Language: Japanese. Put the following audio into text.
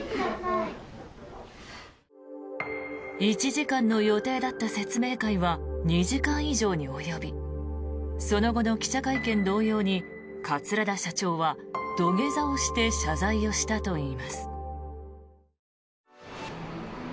１時間の予定だった説明会は２時間以上に及びその後の記者会見同様に桂田社長は土下座をして謝罪をしたといいます。